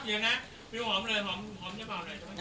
เดี๋ยวนะพี่หอมเลยหอมเยอะบ้างหน่อย